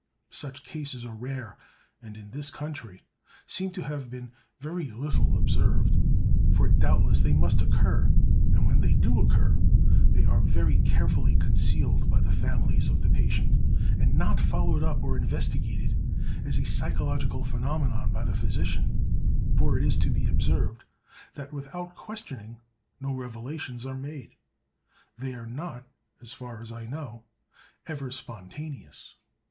Such cases are rare, and, in this country, seem to have been very little observed, for doubtless they must occur, and when they do occur they are very carefully concealed by the families of the patient, and not followed up or investigated as a psychological phenomenon by the physician; for it is to be observed that, without questioning, no revelations are made; they are not, as far as I know, ever spontaneous.